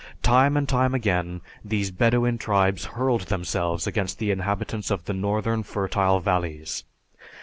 Time and time again, these Bedouin tribes hurled themselves against the inhabitants of the northern fertile valleys.